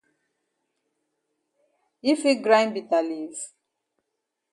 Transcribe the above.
Yi fit grind bitter leaf?